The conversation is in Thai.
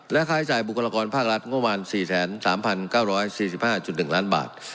และค่าใช้จ่ายบุคลากรภาครัฐงบประมาณ๔๓๙๔๕๑ล้านบาท